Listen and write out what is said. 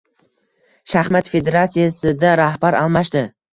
Shaxmat federatsiyasida rahbar almashdi